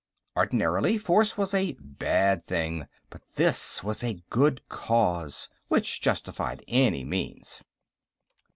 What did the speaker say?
Ordinarily, force was a Bad Thing, but this was a Good Cause, which justified any means.